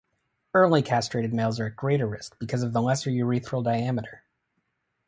Early-castrated males are at greater risk, because of lesser urethral diameter.